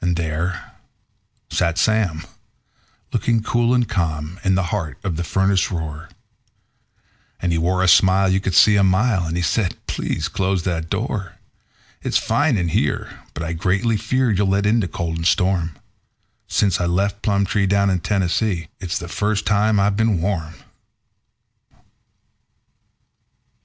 And there sat Sam, looking cool and calm, in the heart of the furnace roar; And he wore a smile you could see a mile, and he said: "Please close that door. It's fine in here, but I greatly fear you'll let in the cold and storm Since I left Plumtree, down in Tennessee, it's the first time I've been warm."